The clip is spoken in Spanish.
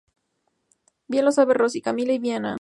Bien lo saben Rosy, Camila y Viviana.